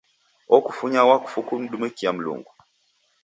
Okufunya wakfu kumdumikia Mlungu.